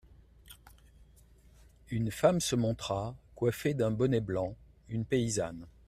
Une femme se montra, coiffée d'un bonnet blanc, une paysanne.